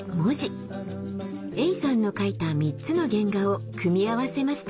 エイさんの描いた３つの原画を組み合わせました。